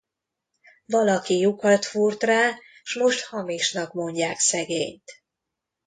Valaki lyukat fúrt rá, s most hamisnak mondják szegényt.